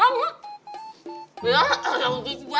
ya enggis banget ya